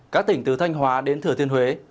các tỉnh từ thanh hóa đến thừa thiên huế